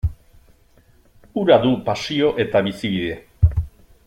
Hura du pasio eta bizibide.